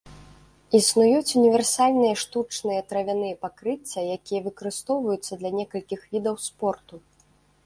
Існуюць універсальныя штучныя травяныя пакрыцця, якія выкарыстоўваюцца для некалькіх відаў спорту.